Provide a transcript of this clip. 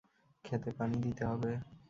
ক্ষেতে পানি দিতে হবে।